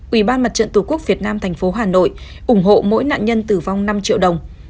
ủy ban mặt trận tổ quốc việt nam thành phố hà nội ủng hộ mỗi nạn nhân tử vong năm triệu đồng